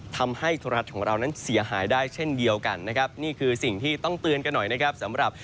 ทำให้ธุระทัศน์ของเรานั้นเสียหายได้เช่นเดียวกันนะครับ